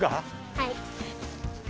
はい。